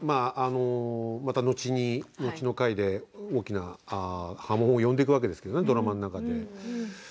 また、後の回で大きな波紋を呼んでくるわけなんですよドラマの中で。